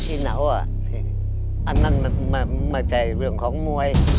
อินาวอ่ะอันนั้นมาใจเรื่องของมวย